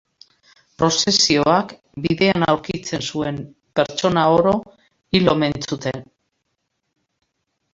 Prozesioak bidean aurkitzen zuen pertsona oro hil omen zuten.